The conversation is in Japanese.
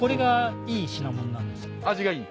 味がいい？